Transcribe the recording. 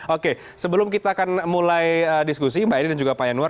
oke sebelum kita akan mulai diskusi mbak edi dan juga pak yanuar